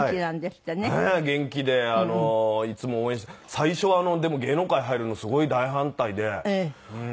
最初はでも芸能界入るのすごい大反対で。